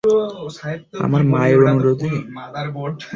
আমার মায়ের অনুরোধে?